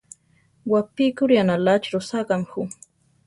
Wapíkuri aʼnaláchi rosákame jú.